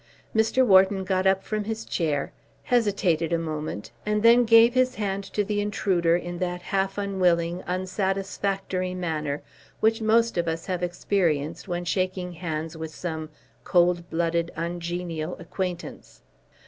Mr. Wharton got up from his chair, hesitated a moment, and then gave his hand to the intruder in that half unwilling, unsatisfactory manner which most of us have experienced when shaking hands with some cold blooded, ungenial acquaintance.